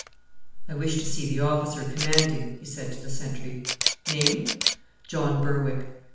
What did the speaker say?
"I wish to see the Officer commanding," he said to the sentry. "Name?" "John Berwick."